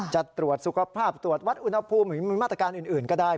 จะตรวจสุขภาพตรวจวัดอุณหภูมิหรือมีมาตรการอื่นก็ได้